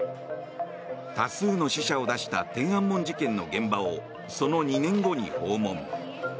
多数の死者を出した天安門事件の現場をその２年後に訪問。